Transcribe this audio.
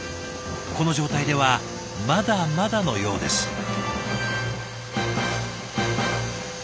この状態ではまだまだのようです。